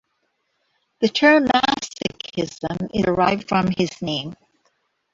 The term masochism is derived from his name.